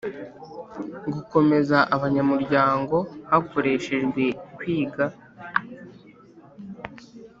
Gukomeza abanyamuryango hakoreshejwe kwiga